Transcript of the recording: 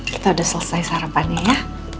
kita sudah selesai sarapannya ya